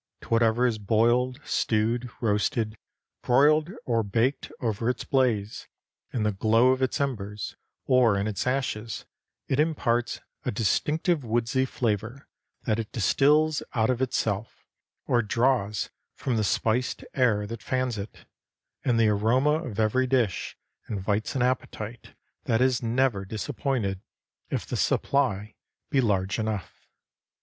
To whatever is boiled, stewed, roasted, broiled or baked over its blaze, in the glow of its embers or in its ashes, it imparts a distinctive woodsy flavor that it distills out of itself or draws from the spiced air that fans it; and the aroma of every dish invites an appetite that is never disappointed if the supply be large enough.